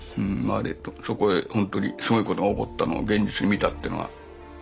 そこでほんとにすごいことが起こったのを現実に見たってのは。